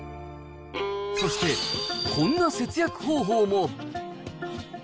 そして、こんな節約方法も。